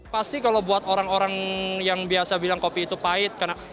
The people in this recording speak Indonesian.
pasti kalau buat orang orang yang biasa bilang kopi itu pahit